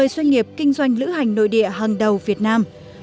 một mươi doanh nghiệp kinh doanh lữ hành nội địa hàng đầu việt nam